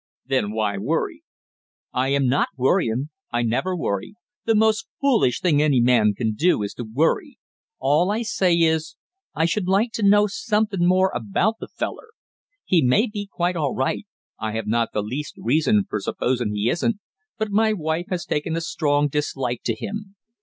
"Then why worry?" "I am not worryin' I never worry the most foolish thing any man can do is to worry. All I say is I should like to know somethin' more about the feller. He may be quite all right I have not the least reason for supposin' he isn't but my wife has taken a strong dislike to him.